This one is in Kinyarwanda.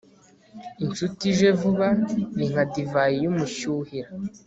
incuti ije vuba ni nka divayi y'umushyuhira